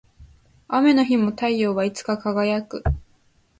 雨の日も太陽はいつか輝く